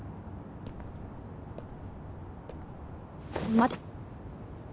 待て。